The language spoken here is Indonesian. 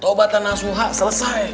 tobatan asuhah selesai